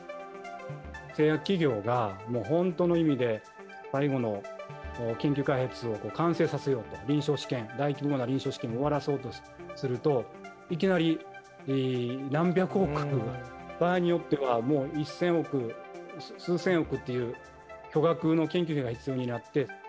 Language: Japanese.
製薬企業が本当の意味で、最後の研究開発を完成させようと、臨床試験、大規模な臨床試験を終わらそうとすると、いきなり何百億、場合によっては、もう１０００億、数千億という巨額の研究費が必要になって。